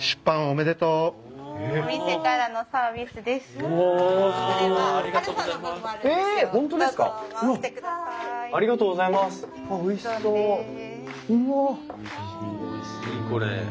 おいしいこれ。